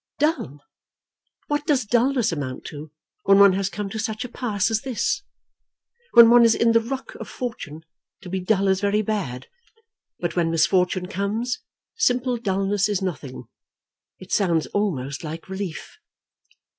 "Dull! What does dulness amount to when one has come to such a pass as this? When one is in the ruck of fortune, to be dull is very bad; but when misfortune comes, simple dulness is nothing. It sounds almost like relief."